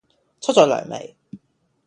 出左糧未?